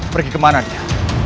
pergi kemana dia